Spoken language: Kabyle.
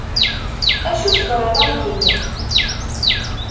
Acu tebɣiḍ ad am-d-iniɣ?